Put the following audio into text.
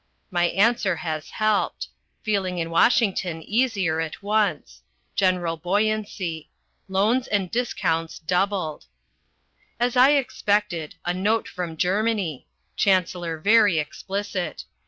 My answer has helped. Feeling in Washington easier at once. General buoyancy. Loans and discounts doubled. As I expected a note from Germany. Chancellor very explicit.